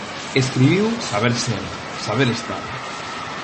Escribiu Saber ser, saber estar.